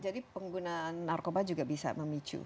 jadi pengguna narkoba juga bisa memicu